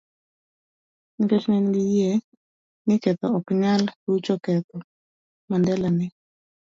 Nikech ne en gi yie ni ketho ok nyal rucho ketho, Mandela ne